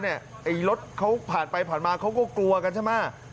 ไอ้รถเขาผ่านไปผ่านมาเขาก็กลัวกันใช่ไหม